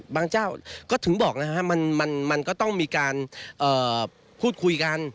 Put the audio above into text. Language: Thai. เจ้าก็ถึงบอกนะฮะมันก็ต้องมีการพูดคุยกัน